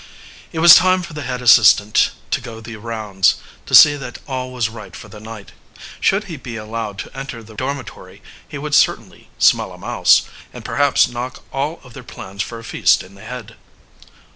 It was time for the head assistant to go the rounds, to see that all was right for the night. Should he be allowed to enter the dormitory he would certainly "smell a mouse," and perhaps knock all of their plans for a feast in the head.